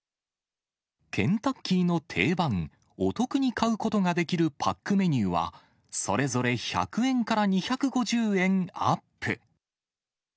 ケンタッキーの定番、お得に買うことができるパックメニューは、それぞれ１００円から２５０円アップ。